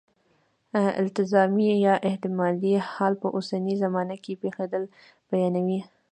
التزامي یا احتمالي حال په اوسنۍ زمانه کې پېښېدل بیانوي.